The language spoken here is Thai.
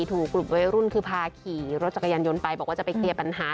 ถูกกลุ่มวัยรุ่นคือพาขี่รถจักรยานยนต์ไปบอกว่าจะไปเคลียร์ปัญหา